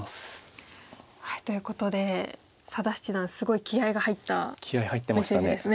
ということで佐田七段すごい気合いが入ったメッセージですね。